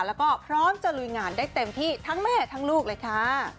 แล้วก็พร้อมจะลุยงานได้เต็มที่ทั้งแม่ทั้งลูกเลยค่ะ